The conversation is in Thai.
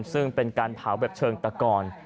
ซึ่งเป็นการเผาแบบเชิงตะกอน